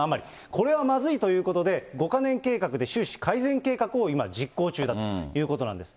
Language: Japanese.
これはまずいということで、５か年計画で、収支改正計画を今、実行中だということなんです。